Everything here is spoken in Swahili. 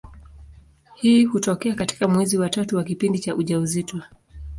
Hii hutokea katika mwezi wa tatu wa kipindi cha ujauzito.